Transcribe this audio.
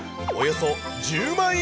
およそ１０万